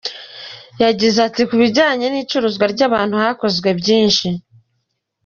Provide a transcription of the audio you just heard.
Yagize ati “Ku bijyanye n’icuruzwa ry’abantu, hakozwe byinshi.